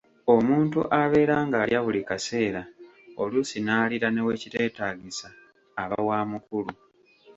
Omuntu abeera nga alya buli kaseera oluusi n’aliira ne we kiteetaagisa aba wa mukulu.